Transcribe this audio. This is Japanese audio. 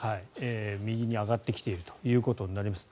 右に上がってきているということになります。